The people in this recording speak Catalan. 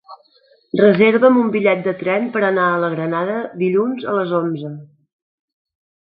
Reserva'm un bitllet de tren per anar a la Granada dilluns a les onze.